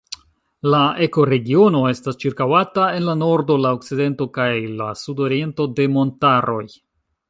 La ekoregiono estas ĉirkaŭata en la nordo, la okcidento kaj la sudoriento de montaroj.